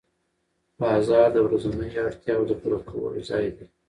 بازار د ورځنیو اړتیاوو د پوره کولو ځای دی